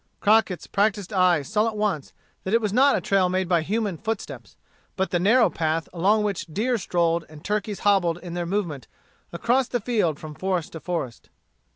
Crockett's practised eye saw at once that it was not a trail made by human foot steps, but the narrow path along which deer strolled and turkeys hobbled in their movement across the field from forest to forest.